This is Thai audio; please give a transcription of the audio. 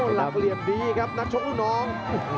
หลักเหลี่ยมดีครับนักชกรุ่นน้อง